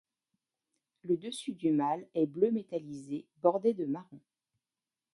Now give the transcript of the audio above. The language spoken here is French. Le dessus du mâle est bleu métallisé bordé de marron.